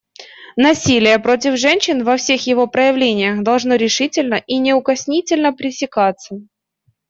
Насилие против женщин во всех его проявлениях должно решительно и неукоснительно пресекаться.